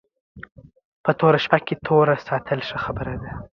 په توره شپه کې توره ساتل ښه خبره ده